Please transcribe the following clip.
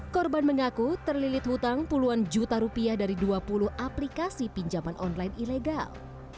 korban mengaku terlilit hutang puluhan juta rupiah dari dua puluh aplikasi pinjaman online ilegal